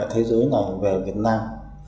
thế giới này về việt nam